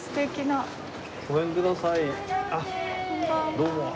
どうも。